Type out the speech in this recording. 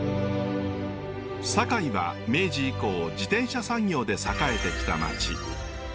堺は明治以降自転車産業で栄えてきたまち。